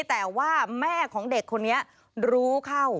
แต่ว่าแม่ของเด็กคนนี้รู้เข้า